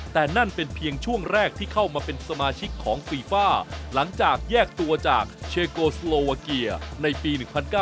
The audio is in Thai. แต่นั่นเป็นเพียงช่วงแรกที่เข้ามาเป็นสมาชิกของฟีฟ่าหลังจากแยกตัวจากเชโกสโลวาเกียในปี๑๙๙